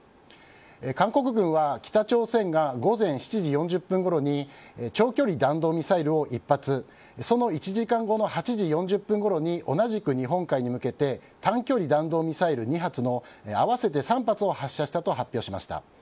韓国軍は北朝鮮が午前７時４０分ごろに長距離弾道ミサイルを１発その１時間後の８時４０分ごろに同じく日本海に向けて短距離弾道ミサイル２発の合わせて３発を発射したと発表しました。